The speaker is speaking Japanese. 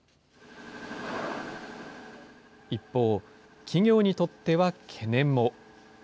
一方、企業にとっては懸念も。